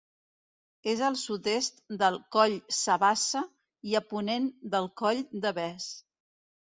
És al sud-est del Coll Sabassa i a ponent del Coll del Bes.